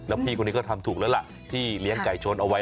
แล้วพี่คนนี้ก็ทำถูกแล้วล่ะที่เลี้ยงไก่ชนเอาไว้